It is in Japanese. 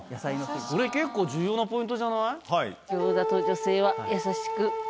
それ結構重要なポイントじゃない？